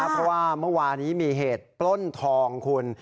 เพราะว่าเมื่อวานี้มีเหตุปล้นทองคุณ